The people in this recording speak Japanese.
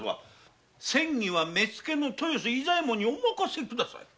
詮議は目付の豊州伊佐衛門にお任せ下さい。